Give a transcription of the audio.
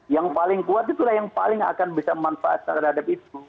yang paling kuat itulah yang paling akan bisa manfaat terhadap itu